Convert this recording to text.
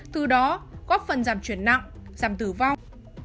từ đó góp phần giảm chuyển nặng giảm tử vong